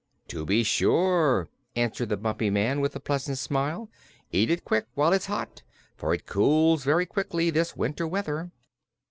"To be sure," returned the Bumpy Man, with a pleasant smile. "Eat it quick, while it's hot, for it cools very quickly this winter weather."